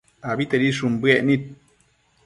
abitedishun bëec nid